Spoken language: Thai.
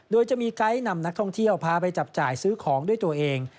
โดยจะมีไกด์นำนักท่องเที่ยวพาไปจับจ่ายซื้อของด้วยตัวเอง